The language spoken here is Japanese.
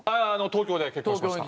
東京ではい。